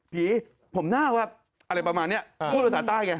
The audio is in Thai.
ผีผมหน้าว่าอะไรประมาณนี้พูดภาษาใต้ไง